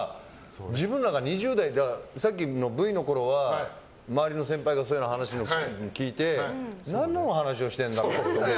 自分らがさっきのＶのころは周りの先輩がそういう話をしているのを聞いて何の話をしているんだろうって。